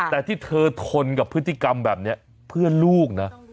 แต่ที่เธอทนกับพฤติกรรมแบบนี้เพื่อลูกนะ